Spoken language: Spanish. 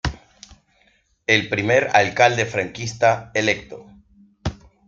El primer alcalde franquista electo".